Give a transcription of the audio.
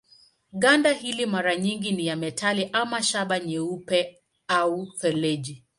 Ganda hili mara nyingi ni ya metali ama shaba nyeupe au feleji.